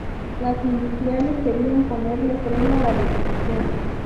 Los industriales querían ponerle freno a la revolución.